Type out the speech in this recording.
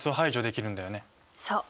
そう。